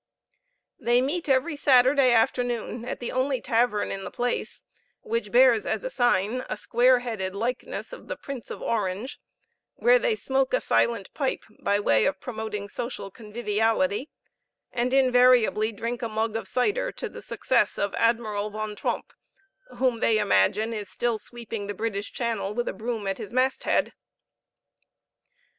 They meet every Saturday afternoon at the only tavern in the place, which bears as a sign a square headed likeness of the Prince of Orange, where they smoke a silent pipe by way of promoting social conviviality, and invariably drink a mug of cider to the success of Admiral Van Tromp, whom they imagine is still sweeping the British Channel with a broom at his masthead.